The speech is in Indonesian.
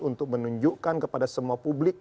untuk menunjukkan kepada semua publik